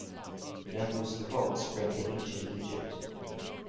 Nabu's cult spread to ancient Egypt.